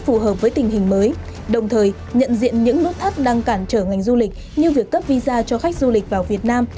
phù hợp với tình hình mới đồng thời nhận diện những nút thắt đang cản trở ngành du lịch như việc cấp visa cho khách du lịch vào việt nam